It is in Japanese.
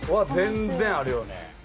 全然あるよね。